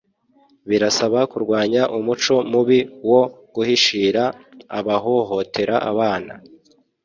Birasaba kurwanya umuco mubi wo guhishira abahohotera abana